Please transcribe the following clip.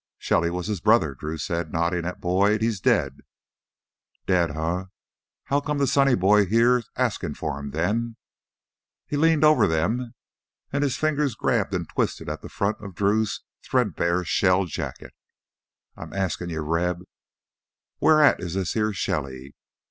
"Shelly was his brother," Drew said, nodding at Boyd. "He's dead." "Dead, eh? How come sonny boy here's askin' for him then?" He leaned over them, and his fingers grabbed and twisted at the front of Drew's threadbare shell jacket. "I ask yuh, Reb, whar at is this heah Shelly?"